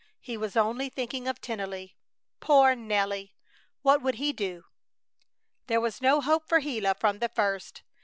He was only thinking of Tennelly. Poor Nelly! What would he do? There was no hope for Gila from the first.